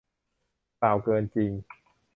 กล่าวเกินจริง